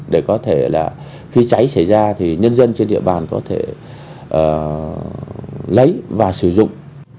để có thể là khi cháy xảy ra thì nhân dân trên địa bàn có thể lấy và sử dụng